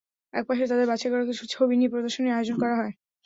একপাশে তাঁদের বাছাই করা কিছু ছবি নিয়ে প্রদর্শনীর আয়োজন করা হয়।